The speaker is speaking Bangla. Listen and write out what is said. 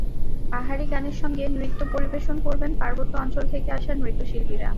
পাহাড়ি গানের সঙ্গে নৃত্য পরিবেশন করবেন পার্বত্য অঞ্চল থেকে আসা নৃত্যশিল্পীরা।